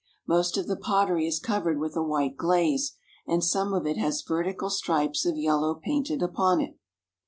Most of the pottery is covered with a white glaze, and some of it has vertical stripes of yellow painted upon it.